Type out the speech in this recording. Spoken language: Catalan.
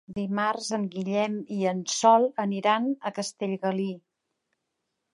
Dimarts en Guillem i en Sol aniran a Castellgalí.